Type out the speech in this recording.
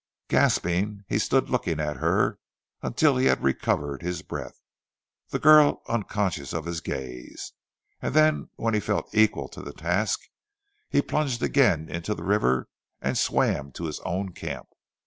Gasping he stood looking at her until he had recovered his breath, the girl unconscious of his gaze; then when he felt equal to the task, he plunged again into the river and swam to his own camp.